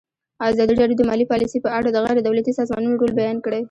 ازادي راډیو د مالي پالیسي په اړه د غیر دولتي سازمانونو رول بیان کړی.